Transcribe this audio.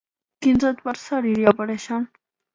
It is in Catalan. Quins adversaris hi apareixen?